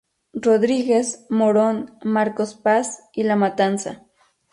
Rodríguez, Moron, Marcos Paz y La Matanza.